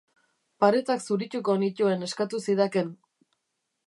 Paretak zurituko nituen eskatu zidaken.